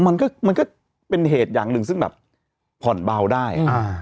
มันก็มันก็เป็นเหตุอย่างหนึ่งซึ่งแบบผ่อนเบาได้อ่า